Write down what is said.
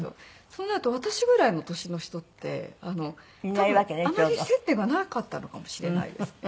そうなると私ぐらいの年の人って多分あまり接点がなかったのかもしれないですね。